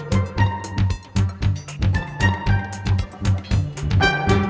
tidak ada yang bisa dikira